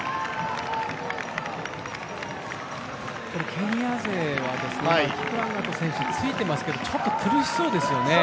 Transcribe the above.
ケニア勢はキプランガト選手、ついていますけど、ちょっと苦しそうですよね。